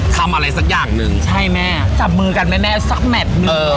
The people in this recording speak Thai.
อะไรสักอย่างหนึ่งใช่แม่จับมือกันแน่สักแมทหนึ่ง